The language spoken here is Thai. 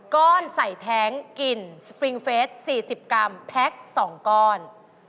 ก้อนใส่แท้งกลิ่นสปริงเฟส๔๐กรัมแพ็ค๒ก้อน